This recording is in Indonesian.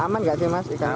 aman gak sih mas ikannya